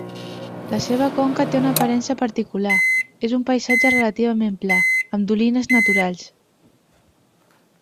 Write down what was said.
La seva conca té una aparença particular, és un paisatge relativament pla, amb dolines naturals.